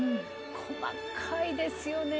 細かいですよね。